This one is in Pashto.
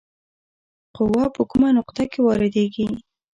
قوه په کومه نقطه کې واردیږي؟